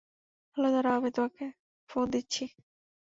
Hello দাঁড়াও, আমি তাকে ফোন দিচ্ছি।